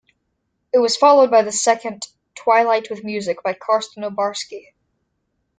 It was followed by the second, "Twilight with Music" by Karsten Obarski.